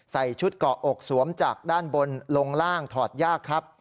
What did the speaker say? ใส่ชุดเกาะอกสวมจากด้านบนลงล่างถอดยากครับ